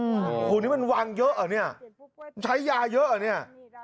โอ้โหนี่มันวางเยอะเหรอเนี่ยใช้ยาเยอะเหรอเนี่ย